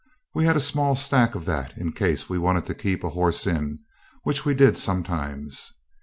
We had a small stack of that in case we wanted to keep a horse in which we did sometimes.